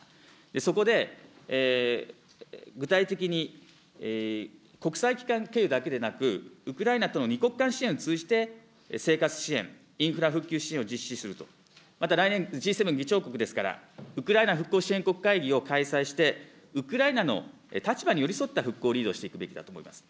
そこで具体的に、国際機関経由だけでなく、ウクライナとの２国間支援を通じて、生活支援、インフラ復旧支援を実施すると、また来年、Ｇ７議長国ですから、ウクライナ復興支援国会議を開催して、ウクライナの立場に寄り添った復興をリードしていくべきだと思います。